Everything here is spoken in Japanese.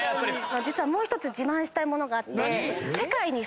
実はもう１つ自慢したい物があって。